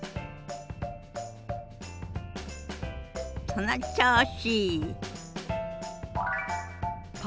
その調子。